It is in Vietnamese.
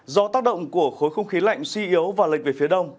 do tác động của khối không khí lạnh suy yếu và lệch về phía đông